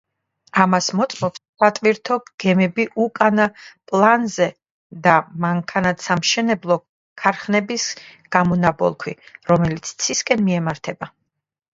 ამას მოწმობს სატვირთო გემები უკანა პლანზე და მანქანათსამშენებლო ქარხნების გამონაბოლქვი, რომელიც ცისკენ მიემართება.